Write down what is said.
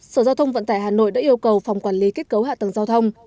sở giao thông vận tải hà nội đã yêu cầu phòng quản lý kết cấu hạ tầng giao thông